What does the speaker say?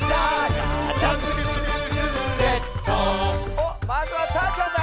おっまずはたーちゃんだ。